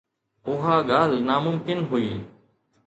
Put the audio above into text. اها ڳالهه ناممڪن هئي.